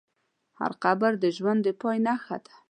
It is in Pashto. هر قبر د ژوند د پای نښه ده.